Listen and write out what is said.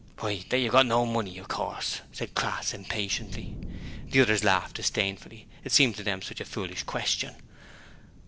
'Why, if you've got no money, of course,' said Crass impatiently. The others laughed disdainfully. It seemed to them such a foolish question.